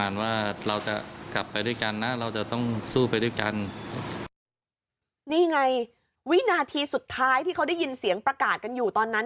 นี่ไงวินาทีสุดท้ายที่เขาได้ยินเสียงประกาศกันอยู่ตอนนั้น